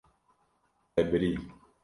Te birî.